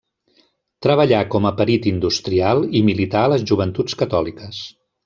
Treballà com a perit industrial i milità a les Joventuts Catòliques.